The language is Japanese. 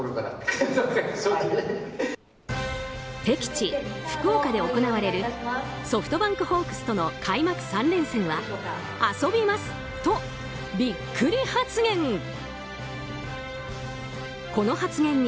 敵地・福岡で行われるソフトバンクホークスとの開幕３連戦は遊びますとビックリ発言。